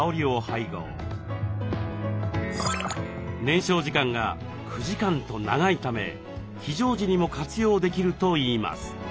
燃焼時間が９時間と長いため非常時にも活用できるといいます。